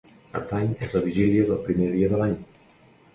Cap d'Any és la vigília del primer dia de l'any.